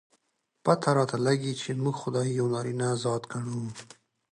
پته راته لګي، چې موږ خداى يو نارينه ذات ګڼو.